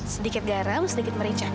sedikit garam sedikit merica